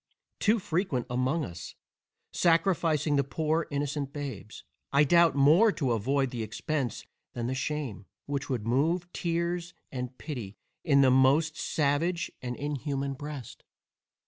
too frequent among us, sacrificing the poor innocent babes, I doubt, more to avoid the expence than the shame, which would move tears and pity in the most savage and inhuman breast.